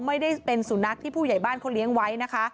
ไม่ได้เป็นสุนัขที่ผู้ใหญ่บ้านเขาเลี้ยงไว้นะคะ